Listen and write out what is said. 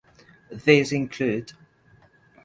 These include